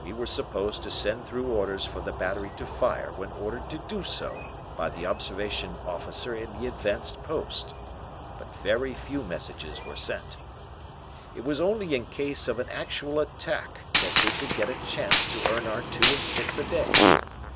We were supposed to send through orders for the battery to fire when ordered to do so by the observation officer in the advanced post. But very few messages were sent. It was only in case of an actual attack that we would get a chance to earn our 'two and six' a day.